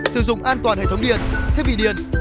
sử dụng an toàn hệ thống điện thiết bị điện